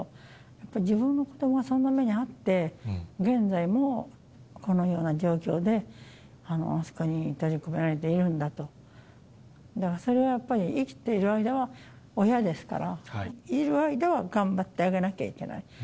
本当、自分の子どもがそんな目に遭って、現在もこのような状況で、あそこに閉じ込められているんだと、だから、それはやっぱり生きている間は、親ですから、いる間は頑張ってあげなきゃいけない。